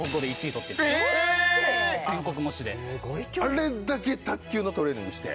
あれだけ卓球のトレーニングして？